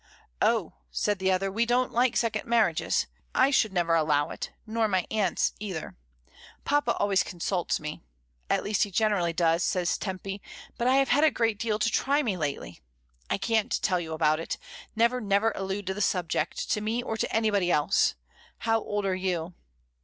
"Oh," said the .other, "we don't like second mar riages. I should never allow it, nor my aunts either. Papa always consults me — at least, he generally does," says Tempy; "but I have had a great deal to try me lately. I can't tell you about it. Never, never allude to the subject, to me or to anybody else. How old are you?"